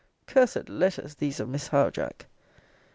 Cursed letters, these of Miss Howe, Jack!